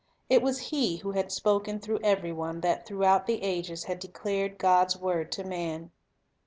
It was He who had spoken through every one that throughout the ages had declared God's word to man.